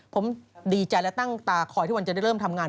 ผมดีใจและตั้งตาคอยที่วันจะได้เริ่มทำงาน